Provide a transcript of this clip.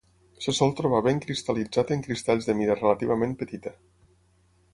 Se sol trobar ben cristal·litzat en cristalls de mida relativament petita.